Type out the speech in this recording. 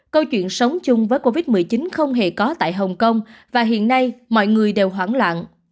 câu chuyện sống chung với covid một mươi chín không hề có tại hồng kông và hiện nay mọi người đều hoảng loạn